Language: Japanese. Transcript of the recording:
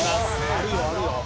あるよあるよ。